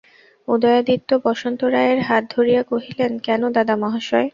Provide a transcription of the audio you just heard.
উদয়াদিত্য বসন্ত রায়ের হাত ধরিয়া কহিলেন, কেন, দাদামহাশয়?